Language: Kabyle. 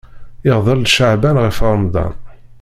Iɣḍel-d Caɛban ɣef Ṛemḍan.